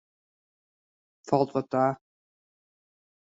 It falt wat ta.